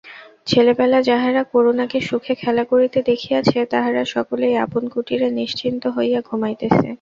ছেলেবেলা যাহারা করুণাকে সুখে খেলা করিতে দেখিয়াছে তাহারা সকলেই আপন কুটীরে নিশ্চিন্ত হইয়া ঘুমাইতেছে।